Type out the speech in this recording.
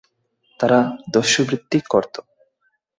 তারা দস্যুবৃত্তি করতো।